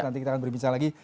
nanti kita akan berbincang lagi